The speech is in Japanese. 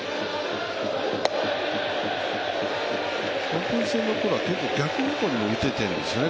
オープン戦のころは結構、逆方向にも打てているんですよね